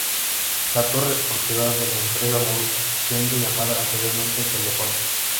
La torre es propiedad de la empresa Movistar, siendo llamada anteriormente Telefónica.